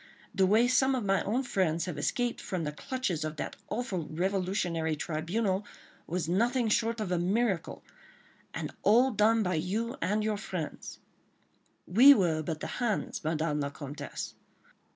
The way some of my own friends have escaped from the clutches of that awful revolutionary tribunal was nothing short of a miracle—and all done by you and your friends—" "We were but the hands, Madame la Comtesse